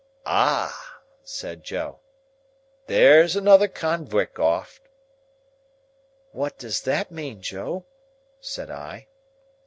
"Ah!" said Joe. "There's another conwict off." "What does that mean, Joe?" said I.